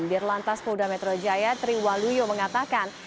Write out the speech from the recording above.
di lantas poda metro jaya triwaluyo mengatakan